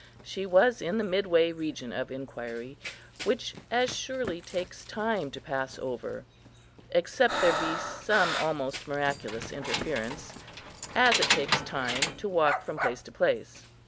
She was in the midway region of inquiry, which as surely takes time to pass over, except there be some almost miraculous interference, as it takes time to walk from place to place.